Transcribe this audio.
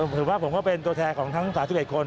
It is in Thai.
ผมว่าผมก็เป็นตัวแทนของทั้ง๓๑คน